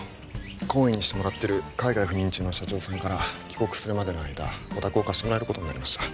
懇意にしてもらってる海外赴任中の社長さんから帰国するまでの間お宅を貸してもらえることになりました